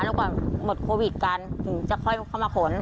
แล้วก่อนหมดโควิดกันถึงจะค่อยเข้ามาขน